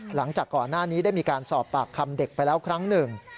หลังจากก่อนหน้านี้ได้มีการสอบปากคำเด็กไปแล้วครั้งหนึ่ง